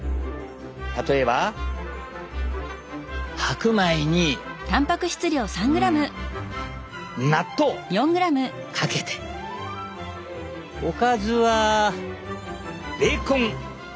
例えば白米にうん納豆をかけておかずはベーコンエッグ。